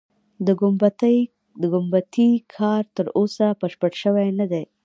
د ګومبتې کار تر اوسه بشپړ شوی نه دی.